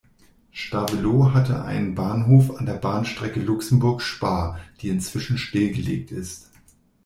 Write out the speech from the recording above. Stavelot hatte einen Bahnhof an der Bahnstrecke Luxemburg–Spa, die inzwischen stillgelegt ist.